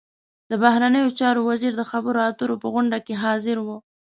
د بهرنیو چارو وزیر د خبرو اترو په غونډه کې حاضر و.